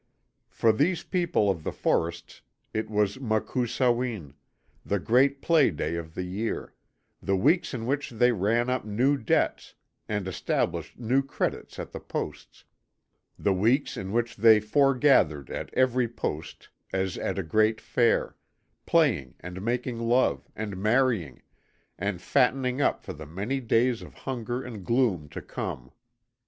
For these people of the forests it was MUKOO SAWIN the great Play Day of the year; the weeks in which they ran up new debts and established new credits at the Posts; the weeks in which they foregathered at every Post as at a great fair playing, and making love, and marrying, and fattening up for the many days of hunger and gloom to come.